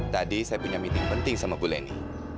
tadi saya punya meeting penting sama buleni